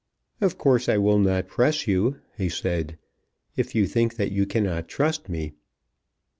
"Of course, I will not press you," he said, "if you think that you cannot trust me."